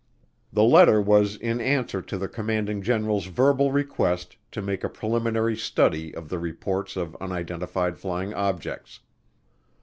The letter was in answer to the Commanding General's verbal request to make a preliminary study of the reports of unidentified flying objects.